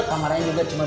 saya sudah tahu